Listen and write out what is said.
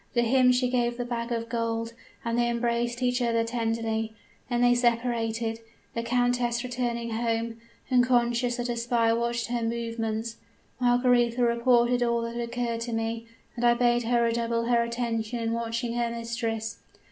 To him she gave the bag of gold, and they embraced each other tenderly. Then they separated the countess returning home, unconscious that a spy watched her movements. Margaretha reported all that had occurred to me; and I bade her redouble her attention in watching her mistress.